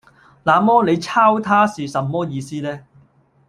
“那麼，你鈔他是什麼意思呢？”